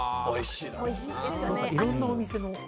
いろんなお店の？